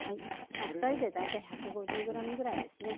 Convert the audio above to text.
２人で大体１５０ｇぐらいですね。